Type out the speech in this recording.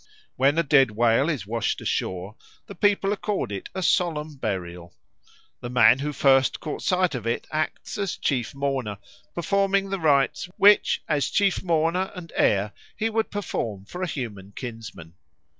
When a dead whale is washed ashore, the people accord it a solemn burial. The man who first caught sight of it acts as chief mourner, performing the rites which as chief mourner and heir he would perform for a human kinsman.